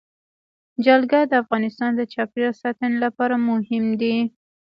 جلګه د افغانستان د چاپیریال ساتنې لپاره مهم دي.